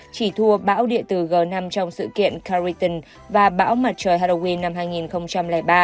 chỉ thua bão địa tử g năm trong sự kiện cariton và bão mặt trời harue năm hai nghìn ba